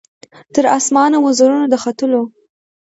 تر اسمانه وزرونه د ختلو